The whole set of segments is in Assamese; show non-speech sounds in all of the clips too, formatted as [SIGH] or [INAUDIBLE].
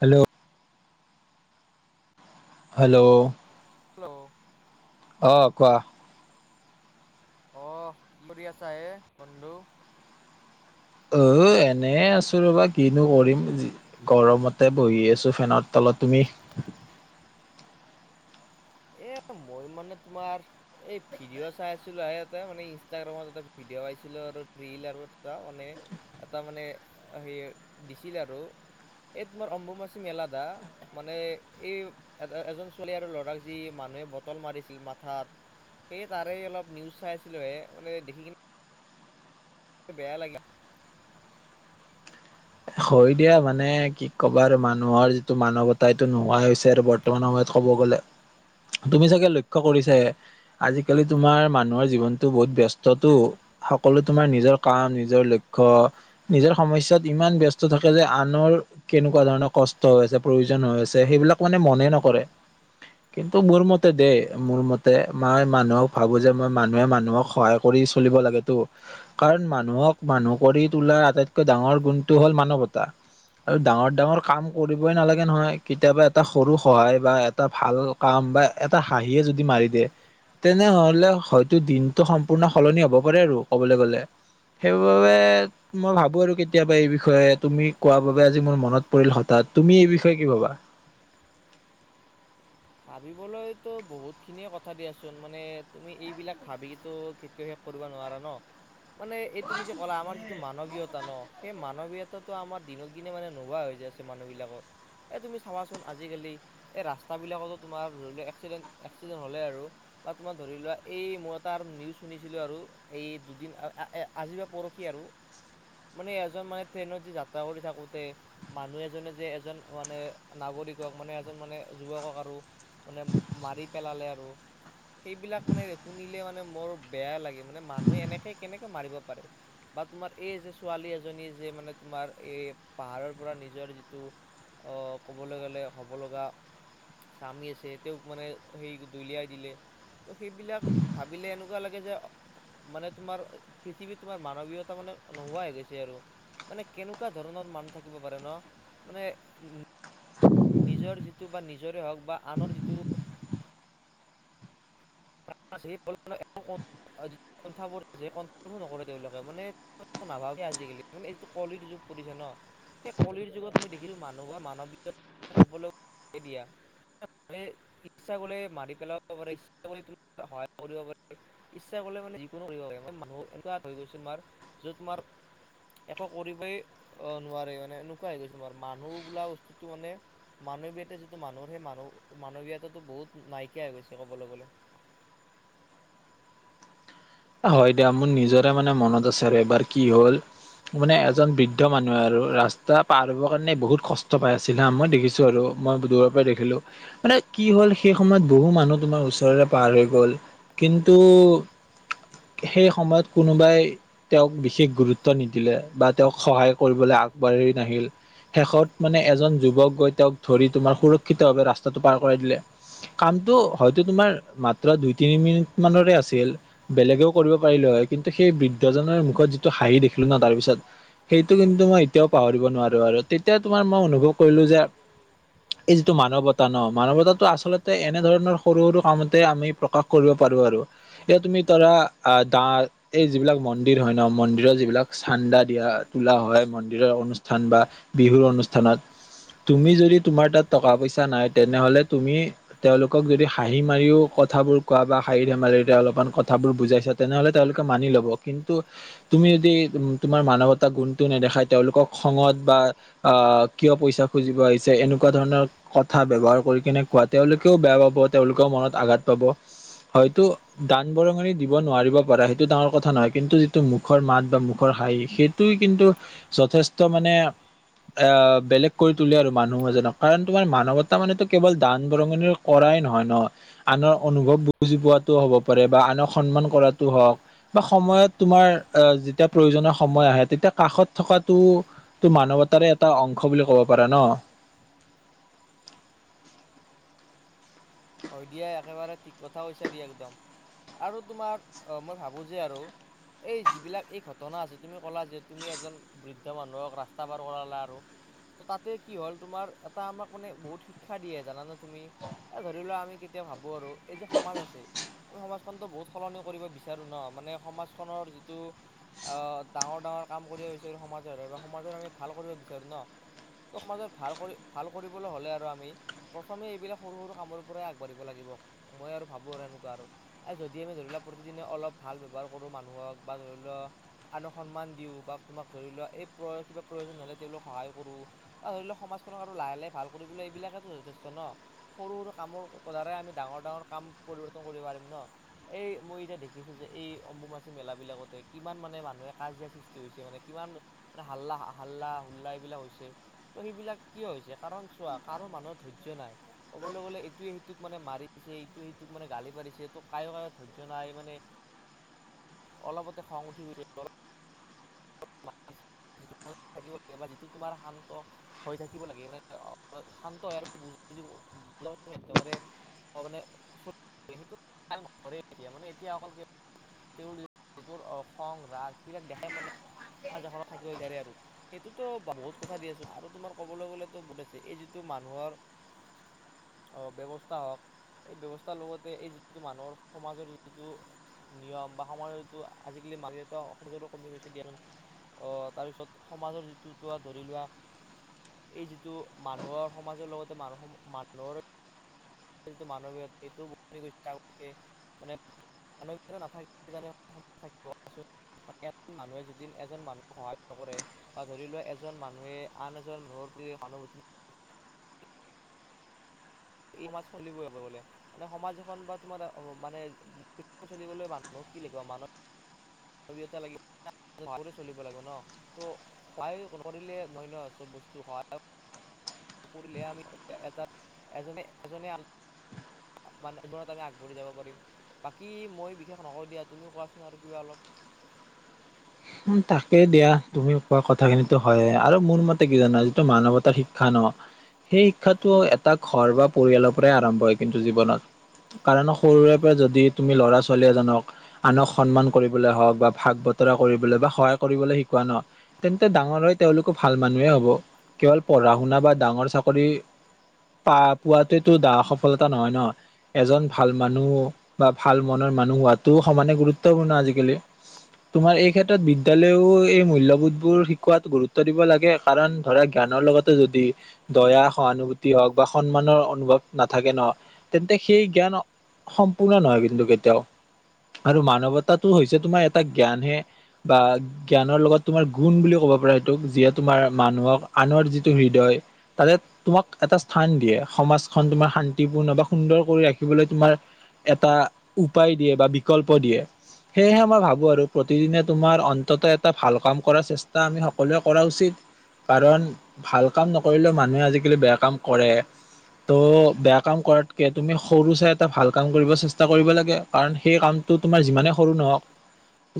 হেল্ল'। হেল্ল'। হেল্ল'। অঁ কোৱা। অ, কি কৰি আছা হে বন্ধু? অ, এনে আছো ৰবা কিনো কৰিম, গৰমতে বহি আছো ফেনৰ ত তুমি? এ মই মানে তোমাৰ এই ভিডিঅ' চাই আছিলো [UNINTELLIGIBLE] মানে ইনষ্টাগ্ৰামত এটা ভিডি দেৱাইছিলো আৰু ৰীল আৰু এটা মানে এটা মানে সে দিছিল আৰু। এই তোমাৰ অম্বুমাচি মেলা দা, মানে এই এ এজন ছোৱালী আৰু ল'ৰা যি মানুহে বটল মাৰিছিল মাথাত। সেয়ে তাৰে অলপ নিউজ চাই আছিলোহে মানে দেখি কিনে বেয়া লাগে হয় দিয়া মানে কি ক'বা আৰু মানুহৰ যিটো মানৱতা এইটো নোহোৱা হৈছে আৰু বৰ্তমান সময়ত কব গলে তুমি চাগে লক্ষ্য কৰিছা আজিকালি তোমাৰ মানুহৰ জীৱনতটো বহুত ব্যস্ততো। সকলো তোমাৰ নিজৰ কাম, নিজৰ লক্ষ্য, নিজৰ সমস্যাত ইমান ব্যস থাকে যে আনৰ কেনেকুৱা ধৰণৰ কষ্ট হৈ আছে, প্ৰয়োজন হৈ আছে সেইবিলাক মানে মনে নকৰে। কিন্তু মোৰ মতে দেই, মোৰ মতে, মই মানুহক ভাবো যে, মই মানুহে মানুহক সহায় কৰি চলিব লাগেতো, কাৰণ মানুহক মানুহ কৰি তোলাৰ আটাইতকৈ ডাঙৰ গুণটো হ'ল ম মানৱতা। আৰু ডাঙৰ-ডাঙৰ কাম কৰিবই নালাগে নহয়, কেতিয়াবা এটা সৰু সহায় বা এটা ভাল কাম বা এটা হাঁহিয়ে যদি মাৰি দিয়ে। তেনেহলে হয়তো দিনটো সম্পূৰ্ণ সলনি হ'ব পাৰে আৰু কবলৈ গলে। সেইবাবে মই ভাবো আৰু কেতিয়াবা এই বিষয়ে তুমি কোৱা বাবে আজি মোৰ মনত পৰিল হঠাৎ, তুমি এই বিষয়ে কি ভাবা? [INAUDIBLE] ভাবিবলৈতো বহুত খিনিয়ে কথা দিয়াচোন মানে তুমি এইবিলাক ভাবিতো খেত কৰিব নোৱাৰা ন, মানে এই তুমি যে ক'লা আমাৰ টো মানৱীয়তা ন, সেই মানৱীয়তাটো আমাৰ দিনক দিনে মানে নোহোৱা হৈ যাই আছে মানুহ বিলাকত। এ তুমি চাবাচোন আজিকালি এই ৰাস্তা বিলাকত তোমাৰ ধৰি লোৱা এক্সিডেণ্ট, এক্সিডেণ্ট হ'লে আৰু তাত তোমাৰ ধৰি লোৱা, এই মই তাৰ নিউজ শুনিছিলোঁ আৰু এই দুদিন আ আজি বা পৰহি আৰু। মানে এজন মানে ট্ৰেইনত যে যাত্ৰা কৰি থাকোতে মানুহ এজনে যে এজন মানে নাগৰি কৰি কক মানে এজন মানে যুৱকক আৰু মানে মাৰি পেলালে আৰু সেইবিলাক মানে শুনিলে মানে মোৰ বেয়া লাগে, মানে মানুহে এনেকে কেনেকে মাৰিব পাৰে। বা তোমাৰ এই যে ছোৱালী এজনী যে মানে তোমাৰ এই পাহাৰৰ পৰা নিজৰ যিটো অঁ ক'বলৈ গ'লে হ'ব লগা স্বামী আছে তেওঁক মানে সেই দলিয়াই দিলে। ত' সেইবিলাক ভাবিলে এনেকুৱা লাগে যে মানে তোমাৰ পৃথিৱীত তোমাৰ মানৱীয়তা মানে নোহোৱাই হৈ গৈছে আৰু। মানে কেনেকুৱা ধৰণৰ মানুহ থাকিব পাৰে ন, মানে উ নিজৰ যিটো বা নিজৰে হওঁক বা আনৰ যিটো ফাষ্ট এই বলবমো সন্থাৰ বোৰৰ নকৰে তেওঁলোকে মানে নাভাবে আজিকালি মানে এইটো কলিৰ যুগ পৰিছে ন সেই কলিৰ যুগত মই দেখিলোঁ মানুহৰ মানৱীয়তা ক'বলৈ দিয়া। এই ইচ্ছা গ'লে মাৰি পেলাব পাৰে ইচ্ছা ইচ্ছা গ'লে তুমি সহায় কৰিব পাৰা। ইচ্ছা গ'লে মানে যিকোনো কৰিব পাৰে মানুহ এনেকুৱা হৈ গৈছে তোমাৰ য'ত তোমাৰ একো কৰিবই অ' নোৱাৰে মানে এনেকোৱা হৈ গৈছে ন মানুহ বোলা বস্তুতটো মানে মানৱীয়তা যিটো মানুহৰ সেই মান মানৱীয়তাটো বহুত নাইকিয়া হৈ গৈছে ক'বলৈ গ'লে। হয় দিয়া। মোৰ নিজৰে মানে মনত আছে আৰু এবাৰ কি হ'ল মানে এজন বৃদ্ধ মানুহে আৰু ৰাস্তা পাৰ হ'ব কাৰণে বহুত কষ্ট পাই আছিলে হা মই দেখিছোঁ আৰু মই দূৰৰ পৰাই দেখিলোঁ মানে কি হ'ল সেই সময়ত বহু মানুহ তোমাৰ ওচৰৰে পাৰ হৈ গ'ল কিন্তু সেই সময়ত কোনোবাই তেওঁক বিশেষ গুৰুত্ব নিদিলে বা তেওঁক সহায় কৰিবলৈ আগবাঢ়ি নাহিল শেষত মানে এজন যুৱক গৈ তেওঁক ধৰি তোমাৰ সুৰক্ষিতভাৱে ৰাস্তাটো পাৰ কৰাই দিলে কাৰণ সেইটো হয়তো তোমাৰ মাত্ৰ দুই তিনি মিনিট মানৰে আছিল। বেলেগেও কৰিব পাৰিলে হয়। কিন্তু সেই বৃদ্ধজনৰ মুখত যিটো হাঁহি দেখিলোঁ ন তাৰপিছত সেইটো কিন্তু মই এতিয়াও পাহৰিব নোৱাৰোঁ আৰু তেতিয়া তোমাৰ মই অনুভৱ কৰিলোঁ যে এই যিটো মানৱতা ন মানৱতাটো আচলতে এনে ধৰণৰ সৰু সৰু কামতে আমি প্ৰকাশ কৰিব পাৰোঁ আৰু এয়া তুমি। তৰা আহ দা এই যিবিলাক মন্দিৰ হয় ন মন্দিৰৰ যিবিলাক চান্দা দিয়া তোলা হয়। মন্দিৰৰ অনুষ্ঠান বা বিহুৰ অনুষ্ঠানত তুমি যদি তোমাৰ তাত টকা পইচা নাই তেনেহ'লে তুমি তেওঁলোকক যদি হাঁহি মাৰিও কথাবোৰ কোৱা পা [UNINTELLIGIBLE] ধেমালিৰে অলপমান ক কথা বোৰ বুজাইছা তেনেহলে তেওঁলোকে মানি ল'ব, কিন্তু তুমি যদি তোমাৰ মানৱতা গুণটো নেদে খাই তেওঁলোকক খঙত বা কিয় পইচা খুজিব আহিছা এনেক [UNINTELLIGIBLE] ধৰণৰ কথা ব্যৱহাৰ কৰি কেনে কোৱাত তেওঁলোকেও বেয়া পাব তেওঁলোকেও মনত আঘাত পাব হয়তো দান বৰঙণি দিব নোৱাৰিব পাৰে সেইটো ডাঙৰ কথা নহয় কিন্তু যিটো মুখৰ মাত বা মুখৰ হাঁহি সেইটো কিন্তু যথেষ্ট মানে এ বেলেগ কৰি তোলে আৰু মানুহ এজনক, কাৰণ তোমাৰ মানৱতা মানেটো কেৱল দান বৰঙণিৰ কৰা নহয় ন', আনৰ অনুভৱ বুজি পোৱাটোও হ'ব পাৰে বা আনক সন্মান কৰাটো হক বা সময়ত তোমাৰ যেতিয়া প্ৰয়োজনৰ সময় আহে তেতিয়া কাষত থকাটো টো মানৱতাৰে এটা অংশ বুলি ক'ব পাৰা ন। [INAUDIBLE] হয় দিয়া, একেবাৰে ঠিক কথা কৈছা দিয়া একদম। আৰু তোমাৰ অ', মই ভাবো যে আৰু এই যিবিলাক এই ঘটনা আছে, তুমি ক'লা যে তুমি এজন বৃদ্ধ মানুহক ৰাস্তা পাৰ কৰালা আৰু ত' তাতে কি হ'ল, তোমাৰ এটা আমাক মানে বহুত শিক্ষা দিয়ে জানানে তুমি ধৰি লোৱা আমি কেতিয়া ভাবোঁ আৰু এই যে সমাজ আছে, আমি সমাজখনতো বহুত সলনি কৰিব বিচাৰোঁ ন মানে সমাজখনৰ যিটো আহ, ডাঙৰ ডাঙৰ কাম কৰিব বিচাৰো সমাজৰ বা সমাজৰ আমি ভাল কৰিব বিচাৰো ন। ত', সমাজত ভাল কৰি, ভাল কৰিবলৈ হ'লে আৰু আমি প্ৰথমে এইবিলাক সৰু সৰু কামৰ আগবাঢ়িব লাগিব মই আৰু ভাবো আৰু এনেকুৱা আৰু, যদি আমি ধৰি লোৱা প্ৰতিদিনে অলপ ভাল ব্যৱহাৰ কৰো মানুহক বা ধৰি লও আনক সন্মান দিও বা তোমাক ধৰি লোৱা এই কিবা প্ৰয়োজন হলে তেওঁলোক সহায় কৰোঁ বা ধৰি লওক সমাজখনক আৰু লাহে লাহে ভাল কৰিবলৈ এইবিলাকেতো যথেষ্ট ন সৰু-সৰু কামৰ কৰাৰে আমি ডাঙৰ ডাঙৰ কাম পৰিৱৰ্তন কৰিব পাৰিম ন এই মই এতিয়া দেখিছোঁ যে এই অম্বুবাচী মেলাবিলাকতে কিমান মানে মানুহে কাজিয়া সৃষ্টি হৈছে মানে কিমান মানে হাল্লা, হাল্লা এইবিলাক হৈছে তো সেইবিলাক কিয় হৈছে? কাৰণ চোৱা কাৰো মানুহৰ ধৈৰ্য্য নাই ক'বলৈ গ'লে ইটোৱে-সিটোক মানে মাৰিছে, ইটোৱে সিটোক মানে গালি পাৰিছে টো কাইয় মানে ধৈৰ্য্য নাই মানে অলপতে খং উঠি গৈছে যিটো [UNINTELLIGIBLE] থাকিব লাগে বা যিটো তোমাৰ শান্ত হৈ থাকিব লাগে মানে অ', অ', শান্ত হয় আৰু [UNINTELLIGIBLE] অ, মানে [UNINTELLIGIBLE] মানে এতিয়া অকল [UNINTELLIGIBLE] তেওঁ লোকৰ অ, খং ৰাগ [UNINTELLIGIBLE] কাইজাখন থাকিব [UNINTELLIGIBLE] আৰু সেইটোতো বহুত কথা দি আছো আৰু তোমাৰ ক'বলৈ গ'লেটো বহুত আছে এই যিটো মানুহৰ [INAUDIBLE] অ, ব্যৱস্থা হওক এই ব্যৱস্থাৰ লগতে এই যিটো মানুহৰ সমাজৰ যিটো নিয়ম বা সমাজটো আজিকালি মাক দেউতা সমো কমি গৈছে দিয়া ন। অহ, তাৰপিছত সমাজৰ যিটো, তো ধৰি লোৱা এই যিটো মানুহৰ সমাজৰ লগতে মানুহ মানুহৰ টো মানৱীয়তা এইটো [UNINTELLIGIBLE] মানে মানুহ নাথাকিলে [UNINTELLIGIBLE] মানে এজন মানুহে যদি এজন মানুহক সহায় নকৰে, বা ধৰি লোৱা এজন মানুহে আন এজন মানুহৰ [UNINTELLIGIBLE] [INAUDIBLE] ই মাজ চলিবই বোলে মানে সমাজ এখন বা তোমাৰ মানে, চলিবলৈ মানুহ কি লাগিব মানৱ [UNINTELLIGIBLE] ৱীয়তা লাগিব। স চলিব লাগিব ন' ত' সহায় নকৰিলে নহয় ন, চব বস্তু সহায় কৰিলেহে ল আমি [UNINTELLIGIBLE] এজনে এজনে আন মানে [UNINTELLIGIBLE] আমি আগবাঢ়ি যাব পাৰিম। বাকী মই বিশেষ নকওঁ দিয়া, তুমিও কোৱাচোন আৰু কিবা অলপ। [INAUDIBLE] উম, তাকে দিয়া, তুমি কোৱা কথাখিনিতো হয়ে আৰু মোৰ মতে কি জানা যিটো মানৱতাৰ শিক্ষা ন', সেই শিক্ষাটো এটা ঘৰ বা পৰিয়ালৰ পৰাই আৰম্ভ হয়, কিন্তু জীৱনত কাৰণ সৰুৰে পৰা যদি তুমি ল'ৰা-ছোৱালী এজনক আনক সন্মান কৰিবলৈ হওঁক বা ভাগ বতৰা কৰিবলৈ বা সহায় কৰিবলৈ শিকোৱা ন', তেন্তে ডাঙৰ হৈ তেওঁলোকো ভাল মানুহে হ'ব। কেৱল পঢ়া শুনা বা ডাঙৰ চাকৰি প পোৱাতোৱেটো ডা সফলতা নহয় ন, এজন ভাল মানুহ বা ভাল মনৰ মানুহ হোৱাটো সমানে গুৰুত্বপূৰ্ণ আজিকালি। তোমাৰ এই ক্ষেত্ৰত বিদ্যালয়ো এই মূল্যবোধবোৰ শিকোৱাত গুৰুত্ব দিব লাগে, কাৰণ ধৰা জ্ঞানৰ লগত [UNINTELLIGIBLE] যদি, দয়া, সহানুভূতি হওক বা সন্মানৰ অনুভৱ নাথাকে ন' তেন্তে সেই জ্ঞান সম্পূৰ্ণ নহয় কিন্তু কেতিয়াও, আৰু মানৱতাটো হৈছে তোমাৰ এটা জ্ঞান হে, বা জ্ঞানৰ লগত তোমাৰ গুণ বুলি ক'ব পাৰা এইটোক যিয়ে তোমাৰ মানুহক আন [UNINTELLIGIBLE] যিটো হৃদয়, ত' তোমাক এটা স্থান দিয়ে সমাজখন তোমাৰ শান্তিপূৰ্ণ সুন্দৰ কৰি ৰাখিবলৈ তোমাৰ, এটা উপায় দিয়ে বা বিকল্প দিয়ে, সেয়হে মই ভাবোঁ আৰু প্ৰতিদিনে তোমাৰ অন্তত এটা ভাল কাম কৰাৰ চেষ্টা আমি সকলোৱে কৰা উচিত। কাৰণ, ভাল কাম নকৰিলেও মানুহে আজিকালি বেয়া কাম কৰে। ত' বেয়া কাম কৰাতকে তুমি সৰু চাই এটা ভাল কাম কৰিব চেষ্টা কৰিব লাগে, কাৰণ সেই কাম টো তোমাৰ যিমানে সৰু নহওক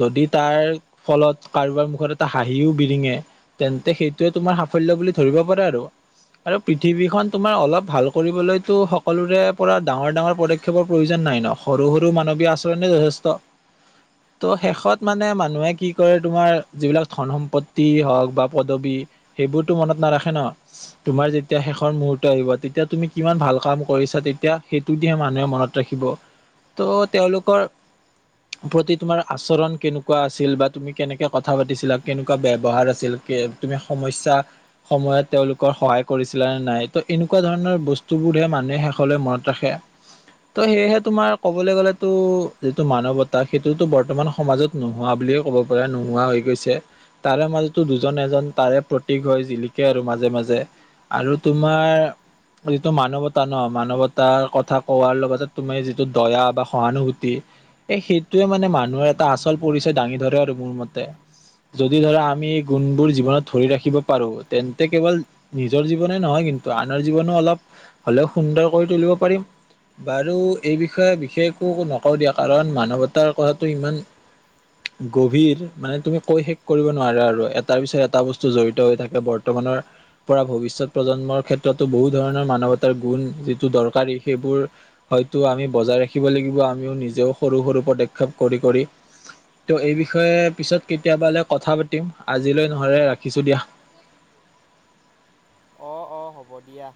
যদি তাৰ, ফলত কাৰোবাৰ মুখত এটা হাঁহিও বিৰিঙে তেন্তে সেইটোৱে তোমাৰ সাফল্য বুলি ধৰিব পাৰা আৰু। আৰু পৃথিৱীখন তোমাৰ অলপ ভাল কৰিবলৈতো সকলোৰে পৰা ডাঙৰ ডাঙৰ পদক্ষেপৰ প্ৰয়োজন নাই ন' সৰু সৰু মানৱীয় আচৰণে যথেষ্ট। ত' শেষত মানে মানুহে কি কৰে তোমাৰ, যিবিলাক ধন সম্পত্তি হওক বা পদবী সেইবোৰতো মনত নাৰাখে ন' তোমাৰ যেতিয়া শেষৰ মুহুৰ্ত আহিব তেতিয়া তুমি কিমান ভাল কাম কৰিছা তে তিয়া সেইটো দি হে মানুহে মনত ৰাখিব, ত' তেওঁলোকৰ, প্ৰতি তোমাৰ আচৰণ কেনেকুৱা আছিল বা তুমি কেনেকে কথা পাতিছিলা কেনেকুৱা ব্যৱহাৰ আছিল, কে তুমি স সম্যসা সময়ত তেওঁলোকৰ সহায় কৰিছিলা নে নাই ত এনেকুৱা ধৰণৰ বস্তুবোৰহে মানুহে শেষত মনত ৰাখে ত সেইহে তোমাৰ ক'বলৈ গ'লে টো যিটো মানৱতা সেইটো তোটো বৰ্তমান সমাজত নোহোৱা বুলিয়ে ক'ব পাৰা নোহোৱা হৈ গৈছে। তাৰে মাজতো দুজন এজন তাৰে প্ৰতীক হয় জিলিকে আৰু মাজে মাজে আৰু তোমাৰ যিটো মানৱতা ন মানৱতাৰ কথা কোৱাৰ লগতে তুমি যিটো দয়া বা সহানুভূতি এই সেইটোৱে মানে মানুহৰ এটা আচল পৰিচয় দাঙি ধৰে আৰু মোৰ মতে যদি ধৰা আমি এই গুণবোৰ জীৱনত ধৰি ৰাখিব পাৰোঁ তেন্তে কেৱল নিজৰ জীৱনে নহয় কিন্তু কিন্তু আনৰ জীৱনো অলপ হ'লেও সুন্দৰ কৰি তুলিব পাৰিম। বাৰু। এই বিষয়ে বিশেষ একো নকওঁ দিয়া কাৰণ মানৱতাৰ কথাটো ইমান গভীৰ মানে তুমি কৈ শেষ কৰিব নোৱাৰা আৰু এটাৰ পিছত এটা বস্তু জড়িত হৈ থাকে বৰ্তমান মানুহৰ পৰা ভৱিষ্যত প্ৰজন্মৰ ক্ষেত্ৰতো বহু ধৰণৰ মানৱতাৰ গুণ যিটো দৰকাৰী সেইবোৰ হয়তো আমি বজাই ৰাখিব লাগিব আমিও নিজেও সৰু সৰু পদক্ষেপ কৰি কৰি তো এই বিষয়ে পিছত কেতিয়াবালৈ কথা পাতিম আজিলৈ নহ'লে ৰাখিছোঁ দিয়া। [INAUDIBLE] অ' অ' হ'ব দিয়া।